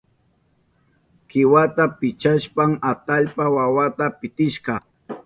Kiwata pichashpan atallpa wawata pitishka.